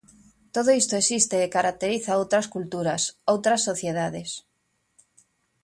Todo isto existe e caracteriza outras culturas, outras sociedades.